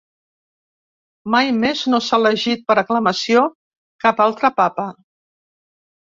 Mai més no s'ha elegit per aclamació cap altre papa.